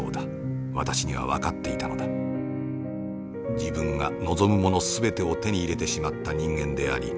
自分が望むもの全てを手に入れてしまった人間であり